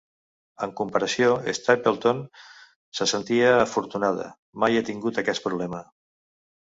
En comparació, Stapleton se sentia afortunada: mai he tingut aquest problema.